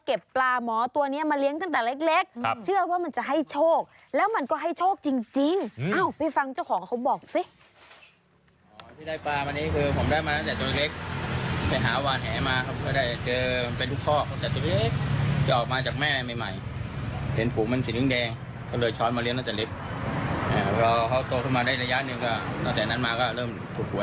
อย่างน้อยที่ไม่ถูกคือเว้นงวดนึงตอนนั้นก็ถูก